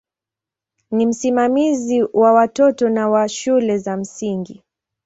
Ni msimamizi wa watoto na wa shule za msingi.